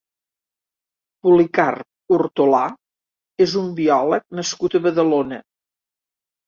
Policarp Hortolà és un biòleg nascut a Badalona.